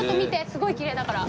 すごいきれいだから。